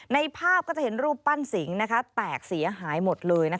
ในภาพก็จะเห็นรูปปั้นสิงแตกเสียหายหมดเลย